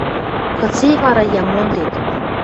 Кыце вара, йӓ, мондет?